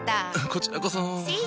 こちらこそ。